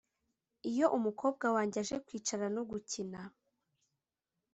iyo umukobwa wanjye aje kwicara no gukina